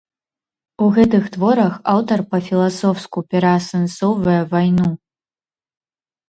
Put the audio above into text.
У гэтых творах аўтар па-філасофску пераасэнсоўвае вайну.